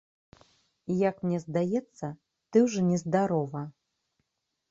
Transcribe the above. Як мне здаецца, ты ўжо нездарова!